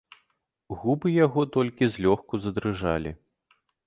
Губы яго толькі злёгку задрыжалі.